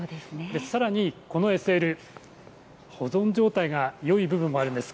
さらにこのＳＬ、保存状態がよい部分もあるんです。